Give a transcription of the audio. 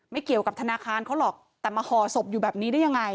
เกี่ยวกับธนาคารเขาหรอกแต่มาห่อศพอยู่แบบนี้ได้ยังไง